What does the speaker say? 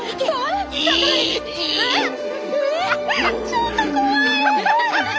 ちょっと怖い！